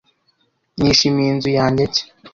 Nishimiye inzu yanjye nshya.